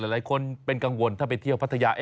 หลายคนเป็นกังวลถ้าไปเที่ยวพัทยา